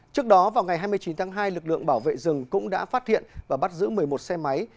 trước đó vào ngày hai mươi chín tháng hai lực lượng bảo vệ rừng cũng đã phát hiện và bắt giữ một mươi một xe máy